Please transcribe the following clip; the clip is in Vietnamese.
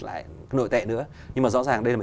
lại nội tệ nữa nhưng mà rõ ràng đây là một